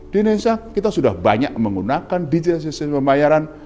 di indonesia kita sudah banyak menggunakan digital sistem pembayaran